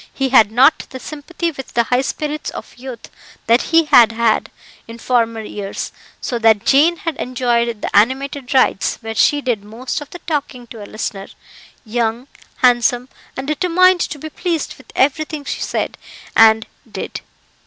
He had not the sympathy with the high spirits of youth that he had had in former years, so that Jane had enjoyed the animated rides, where she did most of the talking to a listener, young, handsome, and determined to be pleased with everything she said and did.